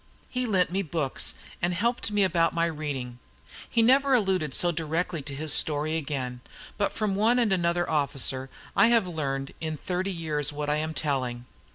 He lent me books, and helped me about my reading. He never alluded so directly to his story again; but from one and another officer I have learned, in thirty years, what I am telling.